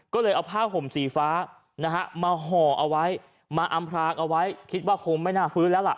ก็เลยเอาผ้าห่มสีฟ้านะฮะมาห่อเอาไว้มาอำพรางเอาไว้คิดว่าคงไม่น่าฟื้นแล้วล่ะ